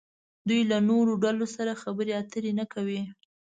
دوی له نورو ډلو سره خبرې اترې نه کوي.